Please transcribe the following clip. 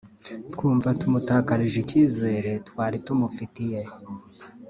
twumva tumutakarije icyizere twari tumufitiye